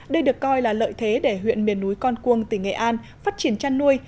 đây được coi là lợi thế để huyện miền núi con cuông tỉnh nghệ an phát triển chăn nuôi